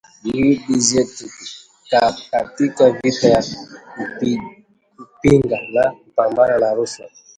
Juhudi zetu katika vita ya kupinga na kupambana na rushwa